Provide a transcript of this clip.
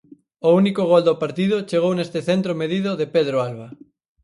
O único gol do partido chegou neste centro medido de Pedro Alba.